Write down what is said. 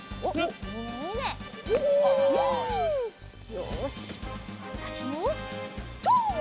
よしわたしもとうっ！